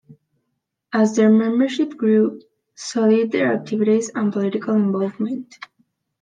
As their membership grew, so did their activities and political involvement.